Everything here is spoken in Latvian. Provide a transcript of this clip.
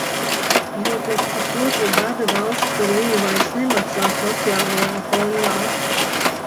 Jo pēc pusotra gada valsts par viņu vairs nemaksā sociālajā fondā.